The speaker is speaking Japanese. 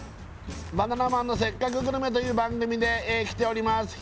「バナナマンのせっかくグルメ！！」という番組で来ております